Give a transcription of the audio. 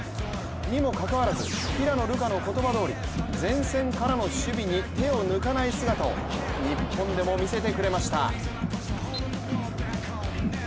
にもかかわらず平野流佳の言葉どおり、前線からの守備に手を抜かない姿を日本でも見せてくれました。